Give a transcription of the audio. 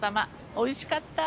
おいしかった。